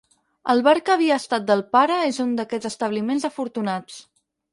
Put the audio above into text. El bar que havia estat del pare és un d'aquests establiments afortunats.